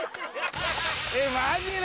えっマジで？